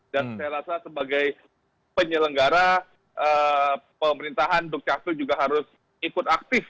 dan saya rasa sebagai penyelenggara pemerintahan duk capil juga harus ikut aktif